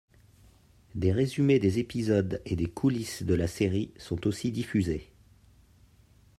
Des résumés des épisodes et des coullisses de la série sont aussi diffusés.